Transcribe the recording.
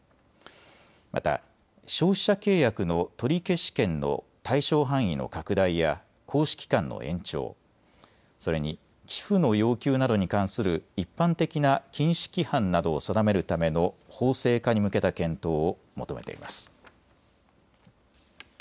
また消費者契約の取消権の対象範囲の拡大や行使期間の延長、それに寄付の要求などに関する一般的な禁止規範などを定めるための法制化に向けた検討を求めています。